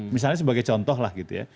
misalnya sebagai contoh lah gitu ya